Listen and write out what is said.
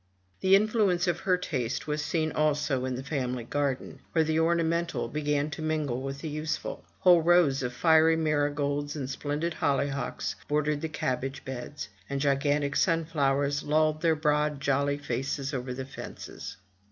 The influence of her taste was seen also in the family garden, where the ornamental began to mingle with the useful; whole rows of fiery marigolds and splendid hollyhocks bordered the cabbage beds; and gigantic sunflowers lolled their broad jolly faces over the fences.